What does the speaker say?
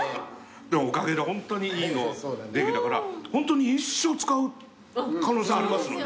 でもおかげでホントにいいのできたからホントに一生使う可能性ありますもんね。